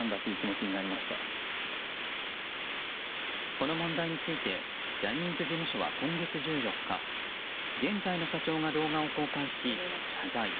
この問題についてジャニーズ事務所は今月１４日現在の社長が動画を公開し、謝罪。